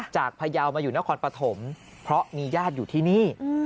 พยาวมาอยู่นครปฐมเพราะมีญาติอยู่ที่นี่